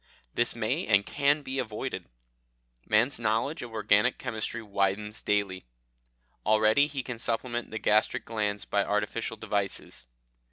This may and can be avoided. Man's knowledge of organic chemistry widens daily. Already he can supplement the gastric glands by artificial devices.